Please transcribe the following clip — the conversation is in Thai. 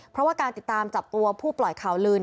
เพราะว่าการติดตามจับตัวผู้ปล่อยข่าวลือ